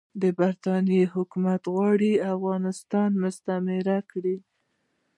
د برټانیې حکومت غواړي افغانستان مستعمره کړي.